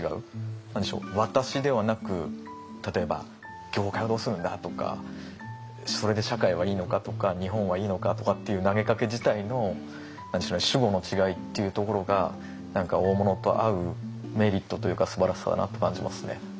何でしょう「私」ではなく例えば「業界」をどうするんだ？とかそれで「社会」はいいのか？とか「日本」はいいのか？とかっていう投げかけ自体の主語の違いっていうところが何か大物と会うメリットというかすばらしさだなと感じますね。